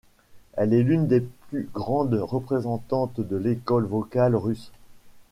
Elle est l'une des plus grandes représentantes de l'école vocale russe.